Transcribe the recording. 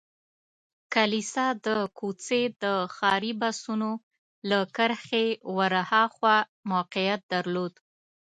کلیسا د کوڅې د ښاري بسونو له کرښې ور هاخوا موقعیت درلود.